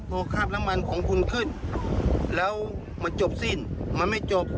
พอคราบน้ำมันของคุณขึ้นแล้วมันจบสิ้นมันไม่จบ